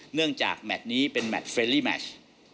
เนื่องจากแมทนี้เป็นแมทเรลลี่แมช